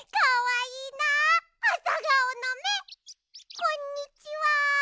こんにちは。